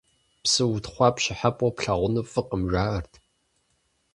Псы утхъуа пщӀыхьэпӀэу плъагъуну фӀыкъым, жаӀэрт.